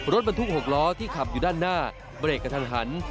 รถบรรทุก๖ล้อที่ขับอยู่ด้านหน้าเบรกกระทันหัน